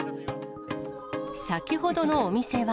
先ほどのお店は。